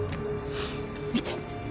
見て！